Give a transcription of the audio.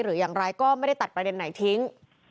หรืออย่างไรก็ไม่ได้ตัดประเด็นไหนทิ้ง